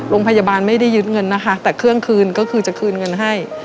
โรงพยาบาลไม่ได้ยึดเงินนะคะแต่เครื่องคืนก็คือจะคืนเงินให้